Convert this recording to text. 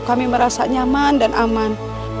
kami merasa nyaman dan aman